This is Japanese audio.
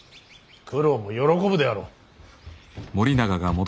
九郎も喜ぶであろう。